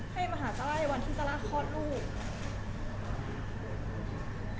ให้มาหาซัลล่าในวันที่ซัลล่าคอดลูก